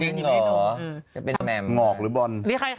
อันนึงเหรอนี้เป็นแหมมงอกหรือบรอน